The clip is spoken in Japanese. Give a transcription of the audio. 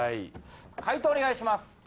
解答をお願いします。